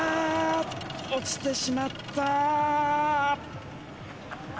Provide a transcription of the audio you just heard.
落ちてしまった。